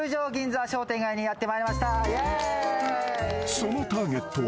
［そのターゲットは］